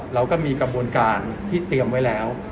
เราก็มีกระบวนการที่เตรียมไว้แล้ว